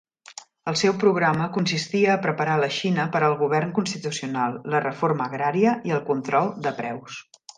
El seu programa consistia a preparar la Xina per al govern constitucional, la reforma agrària i el control de preus.